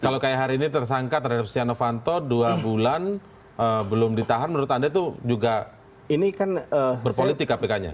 kalau kayak hari ini tersangka terhadap setia novanto dua bulan belum ditahan menurut anda itu juga berpolitik kpk nya